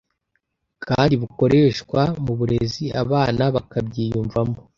kandi bukoreshwa muburezi abana bakabyiyumvamo